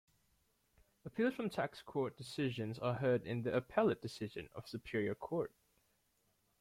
Appeals from Tax Court decisions are heard in the Appellate Division of Superior Court.